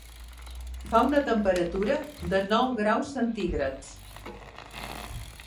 Fa un temperatura de nou graus centígrads.